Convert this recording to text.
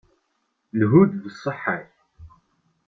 Lhu-d d ṣṣeḥḥa-k.